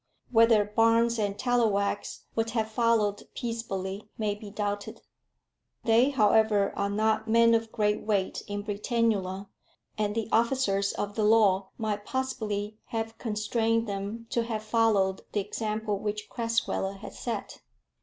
Whether Barnes and Tallowax would have followed peaceably, may be doubted. They, however, are not men of great weight in Britannula, and the officers of the law might possibly have constrained them to have followed the example which Crasweller had set.